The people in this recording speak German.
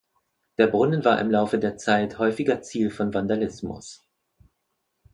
Der Brunnen war im Laufe der Zeit häufiger Ziel von Vandalismus.